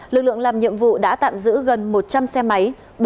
lực lượng làm nhiệm vụ đã tạm giữ gần một trăm linh xe máy